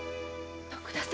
徳田様。